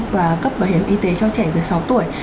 và cấp bảo hiểm y tế cho trẻ dưới sáu tuổi